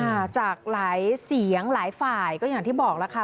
ค่ะจากหลายเสียงหลายฝ่ายก็อย่างที่บอกแล้วค่ะ